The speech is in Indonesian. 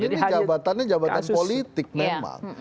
ini jabatannya jabatan politik memang